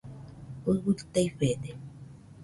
Fɨui taifede